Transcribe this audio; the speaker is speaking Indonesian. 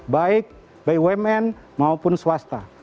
baik bumn maupun swasta